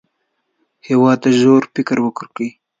هېواد ته ژور فکر ورکړئ